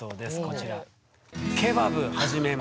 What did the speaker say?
こちら。